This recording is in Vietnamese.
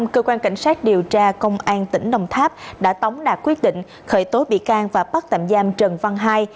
cơ quan cảnh sát điều tra công an tỉnh đồng tháp đã tống đạt quyết định khởi tố bị can và bắt tạm giam trần văn hai